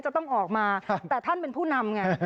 จะต้องออกมาแต่ท่านเป็นผู้นำไง